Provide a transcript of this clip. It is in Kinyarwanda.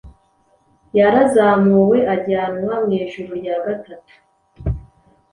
Yarazamuwe ajyanwa mu ijuru rya gatatu,”